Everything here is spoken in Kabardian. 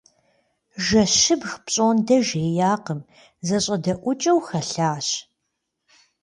Жэщыбг пщӏондэ жеякъым - зэщӏэдэӏукӏыу хэлъащ.